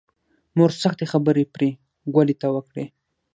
مور سختې خبرې پري ګلې ته وکړې